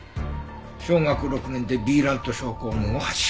小学６年でヴィーラント症候群を発症。